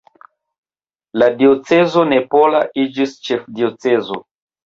La diocezo napola iĝis ĉefdiocezo.